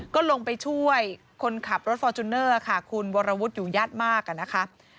ก็ลงไปช่วยคนขับรถฟอร์จูเนอร์ค่ะคุณวรวุฒิอยู่ญาติมากนะคะ